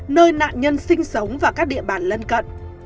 nơi nạn nhân sinh sống và các địa bàn lân cận